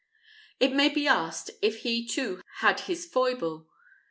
It may be asked, if he too had his foible?